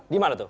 di mana tuh